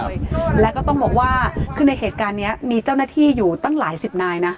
เลยแล้วก็ต้องบอกว่าคือในเหตุการณ์เนี้ยมีเจ้าหน้าที่อยู่ตั้งหลายสิบนายนะ